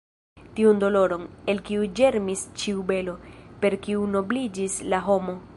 Tiun doloron, el kiu ĝermis ĉiu belo, per kiu nobliĝis la homo.